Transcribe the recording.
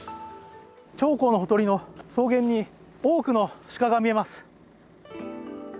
長江のほとりの草原に多くの鹿が見えます。